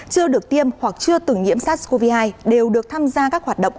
chưa được tiêm hoặc chưa từng nhiễm sars cov hai đều được tham gia các hoạt động